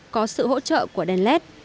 có sự hỗ trợ của đèn led